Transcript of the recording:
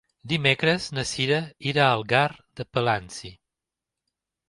Dimecres na Cira irà a Algar de Palància.